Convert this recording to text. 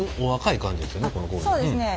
そうですね